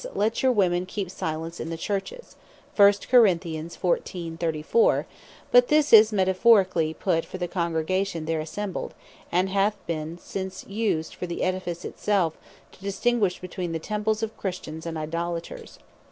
"Let your women keep silence in the Churches:" but this is Metaphorically put, for the Congregation there assembled; and hath been since used for the Edifice it self, to distinguish between the Temples of Christians, and Idolaters.